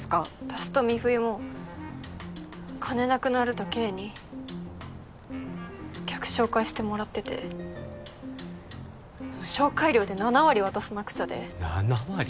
私と美冬も金なくなるとＫに客紹介してもらっててでも紹介料で７割渡さなくちゃで７割！？